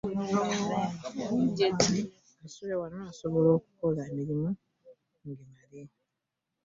Kansule wano nsobole okkola emirimu ngimale.